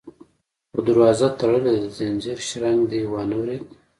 _خو دروازه تړلې ده، د ځنځير شرنګ دې وانه ورېد؟